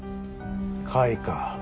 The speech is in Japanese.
甲斐か。